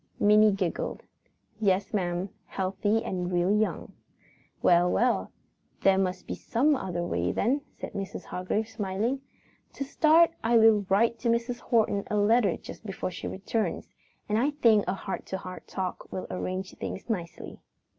Minnie giggled. "Yes, ma'am; healthy and real young." "Well, well, there must be some other way then," said Mrs. Hargrave, smiling. "To start, I will write Mrs. Horton a letter just before she returns, and I think a heart to heart talk will arrange things nicely."